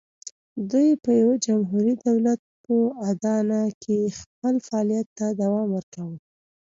دوی په یوه جمهوري دولت په اډانه کې خپل فعالیت ته دوام ورکاوه.